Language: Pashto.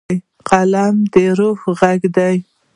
قلم د روح غږ دی.